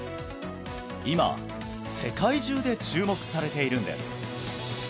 今世界中で注目されているんです